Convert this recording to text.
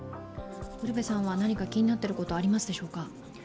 ウルヴェさんは気になってることはありますでしょうか？